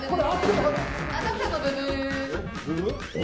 これ。